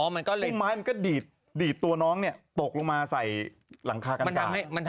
พุ่มไม้มันก็ดีดตัวน้องตกลงมาใส่หลังคากันต่าง